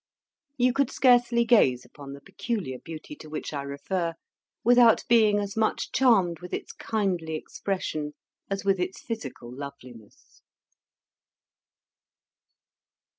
You could scarcely gaze upon the peculiar beauty to which I refer without being as much charmed with its kindly expression as with its physical loveliness.